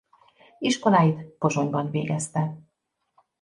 Iskoláit Pozsonyban végezte.